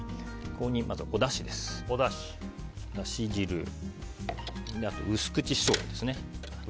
ここに、だし汁あとは薄口しょうゆです。